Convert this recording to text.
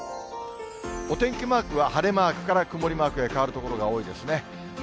お天気マークは、晴れマークから曇りマークへ変わる所が多いですね。